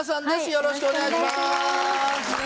よろしくお願いします